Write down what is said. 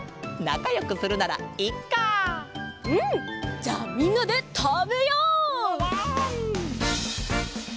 じゃあみんなでたべよう！わわん！